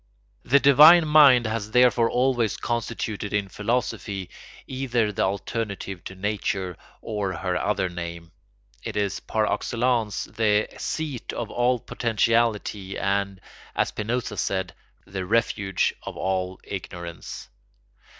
The divine mind has therefore always constituted in philosophy either the alternative to nature or her other name: it is par excellence the seat of all potentiality and, as Spinoza said, the refuge of all ignorance.